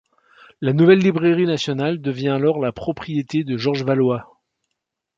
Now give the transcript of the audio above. La Nouvelle Librairie nationale devient alors la propriété de Georges Valois.